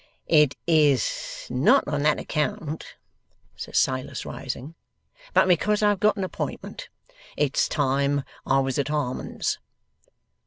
'It is not on that account,' says Silas, rising, 'but because I've got an appointment. It's time I was at Harmon's.